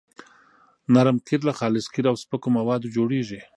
نرم قیر له خالص قیر او سپکو موادو جوړیږي